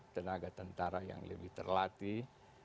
tenaga tentara yang lebih terlatih